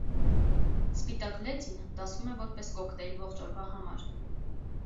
«Սպիտակ լեդին» դասվում է որպես «կոկտեյլ ողջ օրվա համար»։